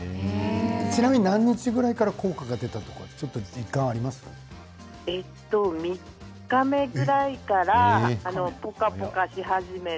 ちなみに何日くらいから効果が出たとか３日目ぐらいからポカポカし始めて。